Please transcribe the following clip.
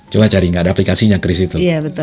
coba cari nggak ada aplikasinya kris itu